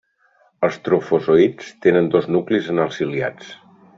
Els trofozoïts tenen dos nuclis en els ciliats.